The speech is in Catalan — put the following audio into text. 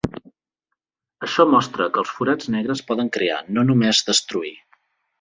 Això mostra que els forats negres poden crear, no només destruir.